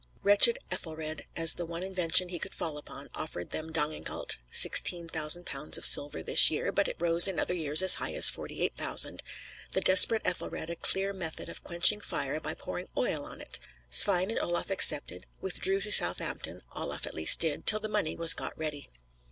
Wretched Ethelred, as the one invention he could fall upon, offered them Danegelt (£16,000 of silver this year, but it rose in other years as high as £48,000); the desperate Ethelred, a clear method of quenching fire by pouring oil on it! Svein and Olaf accepted; withdrew to Southampton Olaf at least did till the money was got ready.